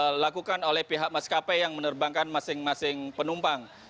dan sudah dilakukan oleh pihak maskapai yang menerbangkan masing masing penumpang